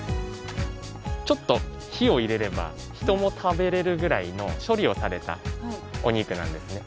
ちょっと火を入れれば人も食べれるぐらいの処理をされたお肉なんですね。